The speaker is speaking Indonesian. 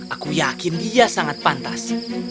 aku yakin dia sangat pantas